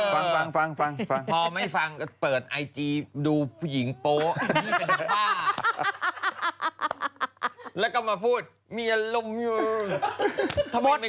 สำหรับละครดังฟังก่อน